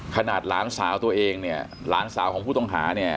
หลานสาวตัวเองเนี่ยหลานสาวของผู้ต้องหาเนี่ย